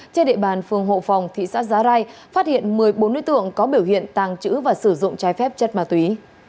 trên địa bàn phường hộ phòng thị xã giá rai phát hiện một mươi bốn đối tượng có biểu hiện tàng trữ và sử dụng trái phép chất ma túy